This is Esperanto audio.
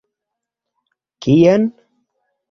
Kien?